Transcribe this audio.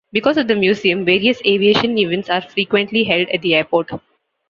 Because of the museum, various aviation events are frequently held at the airport.